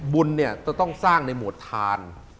บุญจะต้องสร้างในโหมดทาน